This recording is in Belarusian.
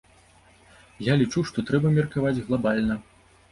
Я лічу, што трэба меркаваць глабальна!